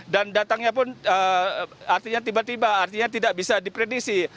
dan datangnya pun artinya tiba tiba artinya tidak bisa dipredisi